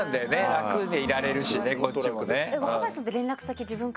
楽でいられるしねこっちもね。